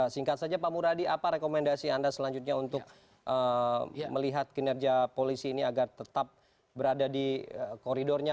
singkat saja pak muradi apa rekomendasi anda selanjutnya untuk melihat kinerja polisi ini agar tetap berada di koridornya